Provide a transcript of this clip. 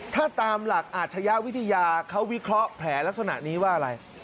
ถ้าตามหลักอาชญาวิทยาเขาวิเคราะห์แผลลักษณะนี้ว่าอะไร